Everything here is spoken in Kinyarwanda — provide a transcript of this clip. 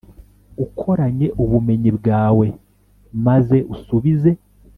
ukoranye ubumenyi bwawe, maze usubize.